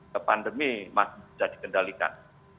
ke pandemi masih bisa dikendalikan